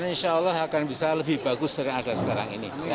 insya allah akan bisa lebih bagus dari ada sekarang ini